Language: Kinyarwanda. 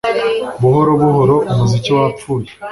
Buhoro buhoro umuziki wapfuye